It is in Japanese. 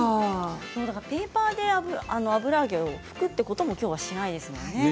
ペーパーで油揚げを拭くということもきょうはしないですね。